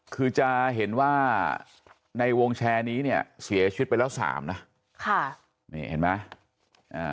คือจะเห็นว่าในวงแชร์นี้เนี่ยเสียชีวิตไปแล้วสามนะค่ะนี่เห็นไหมอ่า